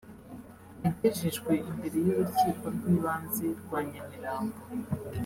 yagejejwe imbere y’urukiko rw’ibanze rwa Nyamirambo